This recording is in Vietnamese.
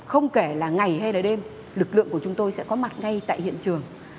không kể là ngày hay là đêm lực lượng của chúng tôi sẽ có mặt ngay tại hiện trường